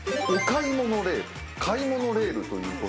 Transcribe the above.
買い物レールという。